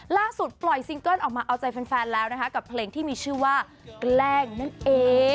ล่าสุดปล่อยซิงเกิ้ลออกมาเอาใจแฟนแล้วนะคะกับเพลงที่มีชื่อว่าแกล้งนั่นเอง